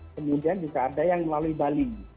kemudian juga ada yang melalui bali